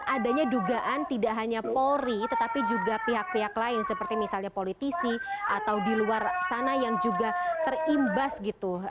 adanya dugaan tidak hanya polri tetapi juga pihak pihak lain seperti misalnya politisi atau di luar sana yang juga terimbas gitu